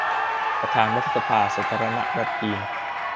ประธานรัฐสภาสาธารณรัฐจีน